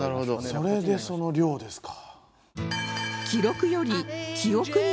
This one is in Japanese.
それでその量ですか。